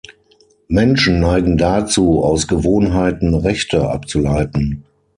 Menschen neigen dazu, aus Gewohnheiten Rechte abzuleiten.